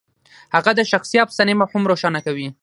هغه د شخصي افسانې مفهوم روښانه کوي.